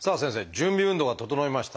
準備運動が整いました。